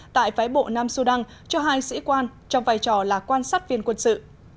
tại phái bộ nam sudan cho hai sĩ quan trong vai trò là quan sát viên quân sự